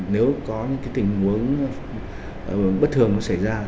nếu có những tình huống bất thường xảy ra